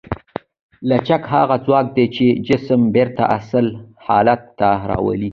لچک هغه ځواک دی چې جسم بېرته اصلي حالت ته راولي.